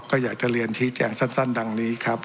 ก็อยากจะเรียนชี้แจงสั้นดังนี้ครับ